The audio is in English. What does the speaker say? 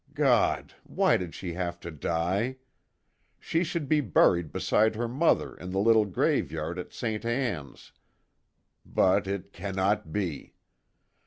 God! Why did she have to die? She should be buried beside her mother in the little graveyard at Ste. Anne's. But it cannot be.